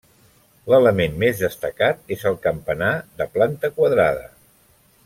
L'element més destacat és el campanar, de planta quadrada.